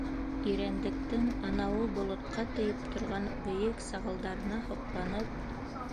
Ирәндектең анауы болотҡа тейеп торған бейек сағылдарына һоҡланып: